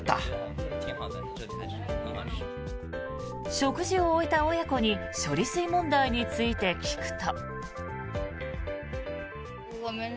食事を終えた親子に処理水問題について聞くと。